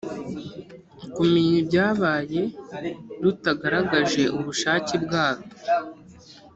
kumenya ibyabaye rutagaragaje ubushake bwarwo